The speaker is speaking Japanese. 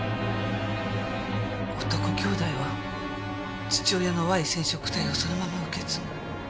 男兄弟は父親のＹ染色体をそのまま受け継ぐ。